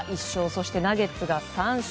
そしてナゲッツが３勝。